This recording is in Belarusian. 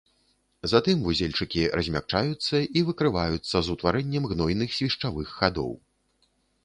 Затым вузельчыкі размякчаюцца і выкрываюцца з утварэннем гнойных свішчавых хадоў.